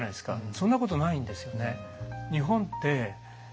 そんなことないんですよね。